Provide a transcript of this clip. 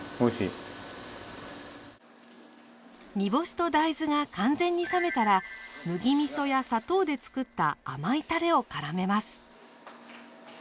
煮干しと大豆が完全に冷めたら麦みそや砂糖でつくった甘いたれをからめます。